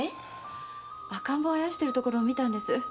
赤ん坊をあやしているところを見たんです。